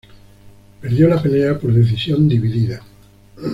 Perdió la pelea por decisión dividida.